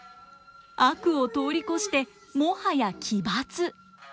悪を通り越してもはや奇抜。